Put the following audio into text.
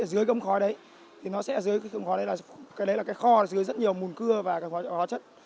dưới công khói đấy thì nó sẽ dưới công khói đấy là cái đấy là cái kho dưới rất nhiều mùn cưa và các hóa chất